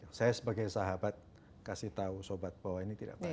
ya saya sebagai sahabat kasih tahu sobat bahwa ini tidak baik